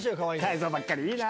泰造ばっかりいいな！